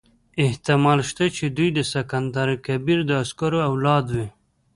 احتمال شته چې دوی د سکندر کبیر د عسکرو اولاد وي.